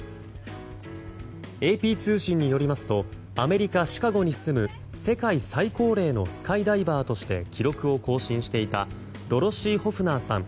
ＡＰ通信によりますとアメリカ・シカゴに住む世界最高齢のスカイダイバーとして記録を更新していたドロシー・ホフナーさん